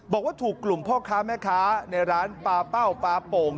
บอกว่าถูกกลุ่มพ่อค้าแม่ค้าในร้านปลาเป้าปลาโป่ง